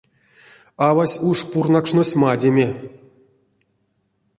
Авась уш пурнакшнось мадеме.